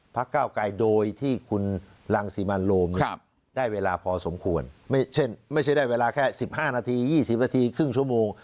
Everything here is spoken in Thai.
ก้าวไกรโดยที่คุณรังสิมันโรมได้เวลาพอสมควรไม่ใช่ได้เวลาแค่๑๕นาที๒๐นาทีครึ่งชั่วโมง